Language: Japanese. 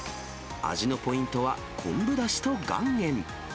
味のポイントは、昆布だしと岩塩。